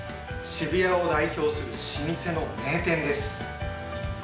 渋谷を代表する老舗の名店です。